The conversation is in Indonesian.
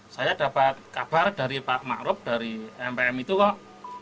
saya dapat kabar dari pak makrob dari mpm itu kok